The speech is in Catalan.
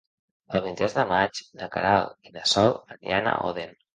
El vint-i-tres de maig na Queralt i na Sol aniran a Odèn.